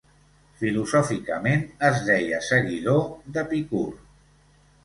Filosòficament es deia seguidor d'Epicur.